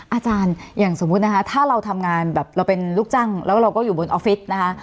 อย่างสมมุตินะคะถ้าเราทำงานแบบเราเป็นลูกจ้างแล้วเราก็อยู่บนออฟฟิศนะคะ